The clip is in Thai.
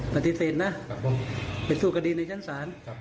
ปฏิเสธนะ